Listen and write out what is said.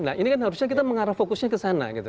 nah ini kan harusnya kita mengarah fokusnya ke sana gitu